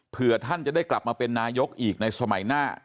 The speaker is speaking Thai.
เพื่อท่านจะได้กลับมาเป็นนายกอีกในสมัยหน้า